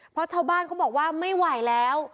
เพราะชาวบ้านเขาบอกว่าไม่ไหวแล้ว